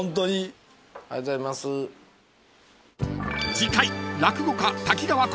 ［次回］